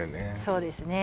そうですね